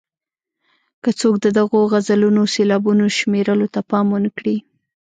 که څوک د دغو غزلونو سېلابونو شمېرلو ته پام ونه کړي.